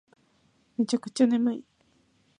めちゃくちゃ眠い